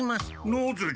なぜじゃ。